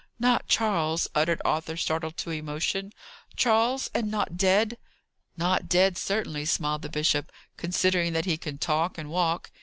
"Not Charles!" uttered Arthur, startled to emotion. "Charles! and not dead?" "Not dead, certainly," smiled the bishop, "considering that he can talk and walk.